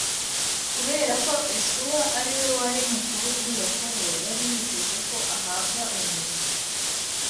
Kubera ko Esawu ari we wari mukuru kuri Yakobo, yari yiteze ko ahabwa uwo mugisha